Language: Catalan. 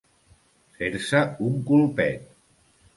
Fer-se un colpet.